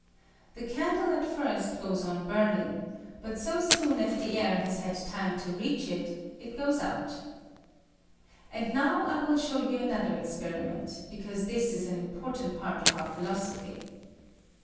The candle at first goes on burning, but so soon as the air has had time to reach it it goes out. And now 1 will show you another experiment, because this is an important part of our philosophy.